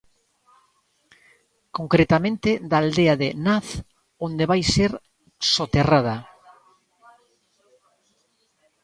Concretamente da aldea de Naz, onde vai ser soterrada.